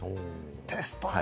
テストね。